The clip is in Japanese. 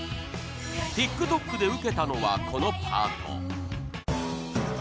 ＴｉｋＴｏｋ でウケたのはこのパート